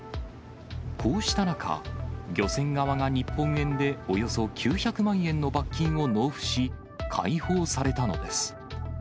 こうした中、漁船側が日本円でおよそ９００万円の罰金を納付し、解放されたのです。